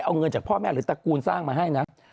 เอาเงินจากพ่อแม่หรือตระกูลสร้างมาให้นะ